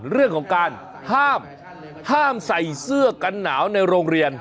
เรื่องของการห้ามห้ามใส่เสื้อกันหนาวในโรงเรียน